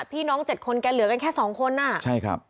น้องเจ็ดคนแกเหลือกันแค่สองคนอ่ะใช่ครับ